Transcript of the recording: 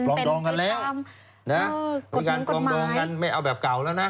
ลองดองกันแล้วนะมีการปรองดองกันไม่เอาแบบเก่าแล้วนะ